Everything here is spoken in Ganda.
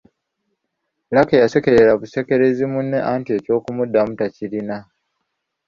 Lucky yasekerera busekerezi munne anti eky'okumuddamu takirina.